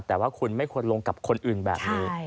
แต่ว่าคุณไม่ควรลงกับคนอื่นแบบนี้